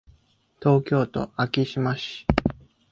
東京都昭島市